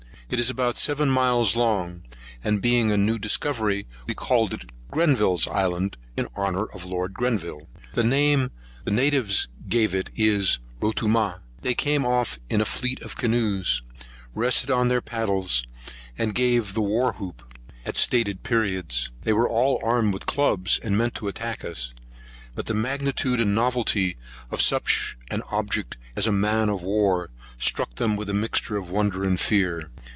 It is about seven miles long; and being a new discovery, we called it Grenville's Island, in honour of Lord Grenville. The name the natives gave it is Rotumah. They came off in a fleet of canoes, rested on their paddles, and gave the war hoop at stated periods. They were all armed with clubs, and meant to attack us; but the magnitude and novelty of such an object as a man of war, struck them with a mixture of wonder and fear.